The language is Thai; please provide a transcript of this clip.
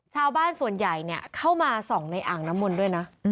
ชาวบ้านส่วนใหญ่เข้ามาส่องในอ่างน้ำมนต์ด้วยนะ